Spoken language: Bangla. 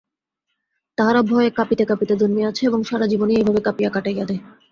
তাহারা ভয়ে কাঁপিতে কাঁপিতে জন্মিয়াছে এবং সারা জীবনই এইভাবে কাঁপিয়া কাটাইয়া দেয়।